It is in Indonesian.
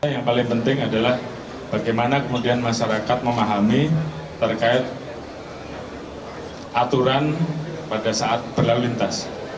yang paling penting adalah bagaimana kemudian masyarakat memahami terkait aturan pada saat berlalu lintas